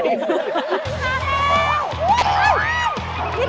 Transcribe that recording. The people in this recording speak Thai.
นิดเดียวครบ